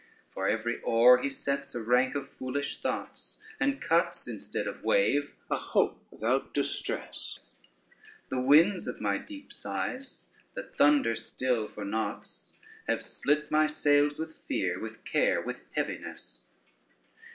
For every oar he sets a rank of foolish thoughts, And cuts, instead of wave, a hope without distress; The winds of my deep sighs, that thunder still for noughts, Have split my sails with fear, with care and heaviness.